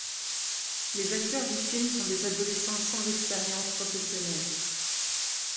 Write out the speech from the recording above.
Les acteurs du film sont des adolescents sans expérience professionnelle.